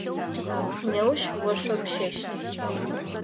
Неущ ошъопщэщт.